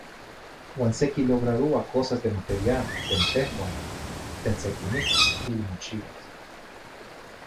uan sequilograroa cosas de material de n tehuah tlen sequiniqui, uili mochiuas.